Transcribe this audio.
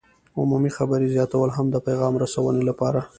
عمومي خبرې زیاتول هم د پیغام رسونې لپاره